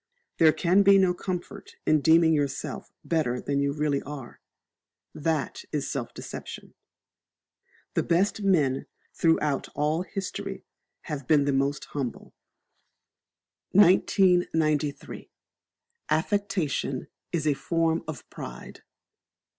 There can be no comfort in deeming yourself better than you really are: that is self deception. The best men throughout all history have been the most humble. 1993. Affectation is a Form of Pride.